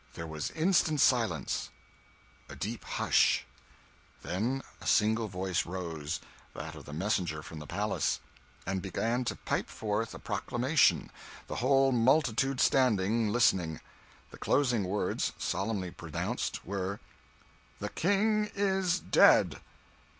There was instant silence a deep hush; then a single voice rose that of the messenger from the palace and began to pipe forth a proclamation, the whole multitude standing listening. The closing words, solemnly pronounced, were "The King is dead!"